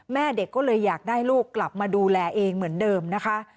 แม่เด็กก็เลยอยากได้ลูกกลับมาดูแลเองเหมือนเดิมนะคะ